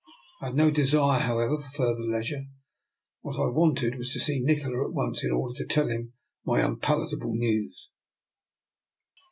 I had no desire, however, for further leisure. What I wanted was to see Nikola at once in order to tell him my unpalatable news.